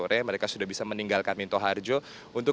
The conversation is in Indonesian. terima kasih pak